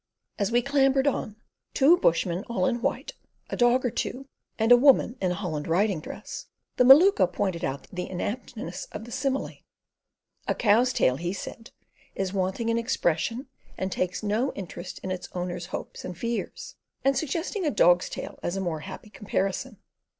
As we clambered on, two bushmen all in white, a dog or two, and a woman in a holland riding dress, the Maluka pointed out the inaptness of the simile. "A cow's tail," he said, "is wanting in expression and takes no interest in its owner's hopes and fears," and suggested a dog's tail as a more happy comparison.